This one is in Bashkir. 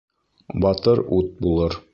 Батыр ут булыр